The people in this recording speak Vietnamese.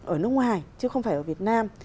ở nước ngoài chứ không phải ở việt nam